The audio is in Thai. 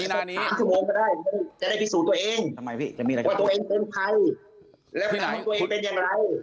จะได้พิสูจน์ตัวเองตัวเองเป็นใครและทำให้ตัวเองเป็นใยมั้ง